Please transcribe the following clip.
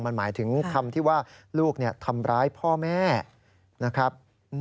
มันหมายถึงคำที่ว่าลูกทำร้ายพ่อแม่นะครับ